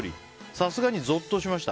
さすがにゾッとしました。